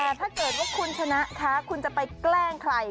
แต่ถ้าเกิดว่าคุณชนะคะคุณจะไปแกล้งใคร